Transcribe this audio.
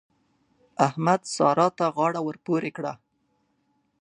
احمد؛ سارا ته غاړه ور پورې کړه.